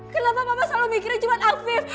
kenapa papa selalu mikirin cuma afid